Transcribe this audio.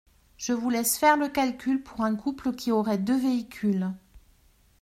Je vous laisse faire le calcul pour un couple qui aurait deux véhicules.